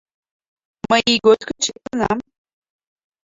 Мый ийгот гыч лектынам.